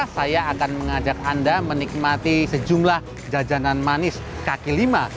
saya akan mengajak anda menikmati sejumlah jajanan manis kaki lima